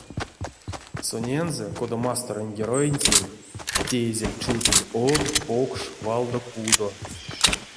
Сонензэ, кода масторонь героентень, теезель чувтонь од, покш, валдо кудо.